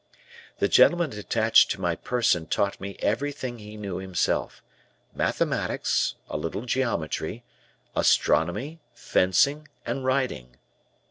The gentleman attached to my person taught me everything he knew himself mathematics, a little geometry, astronomy, fencing and riding.